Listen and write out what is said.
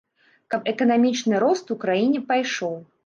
Каб эканамічны рост у краіне пайшоў.